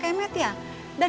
rajan gitu kalau edih